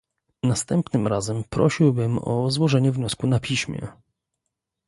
Następnym razem prosiłbym o złożenie wniosku na piśmie